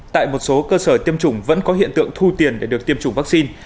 tại một số cơ sở tiêm chủng vẫn có hiện tượng thu tiền để được tiêm chủng vaccine